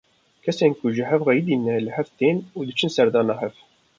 Kesên ku ji hev xeyidîne li hev tên û diçin serdana hev.